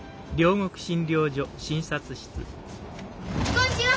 こんちは！